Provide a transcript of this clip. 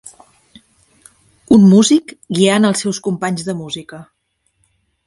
Un músic guiant els seus companys de música.